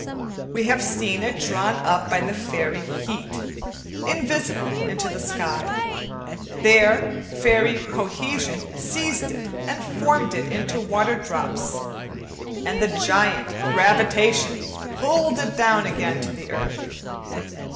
We have seen it drawn up by the fairy "heat," invisible into the sky; there fairy "cohesion" seized it and formed it into water drops and the giant, "gravitation," pulled it down again to the earth.